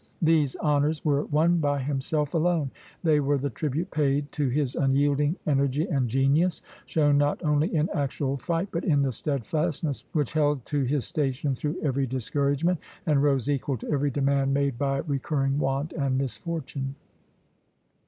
These honors were won by himself alone; they were the tribute paid to his unyielding energy and genius, shown not only in actual fight but in the steadfastness which held to his station through every discouragement, and rose equal to every demand made by recurring want and misfortune.